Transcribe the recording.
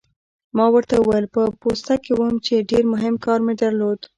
ما ورته وویل: په پوسته کې وم، چې ډېر مهم کار مې درلود.